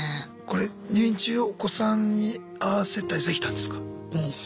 入院中お子さんに会わせたりできたんですか？